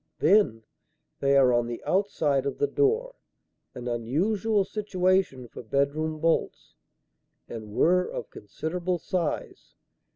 "Then, they are on the outside of the door an unusual situation for bedroom bolts and were of considerable size.